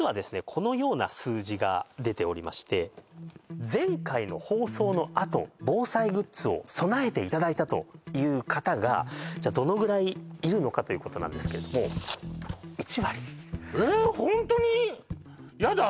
このような数字が出ておりまして前回の放送のあと防災グッズを備えていただいたという方がじゃどのぐらいいるのかということなんですけれどもえっやだ